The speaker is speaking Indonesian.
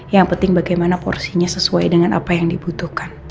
yang penting bagaimana porsinya sesuai dengan apa yang dibutuhkan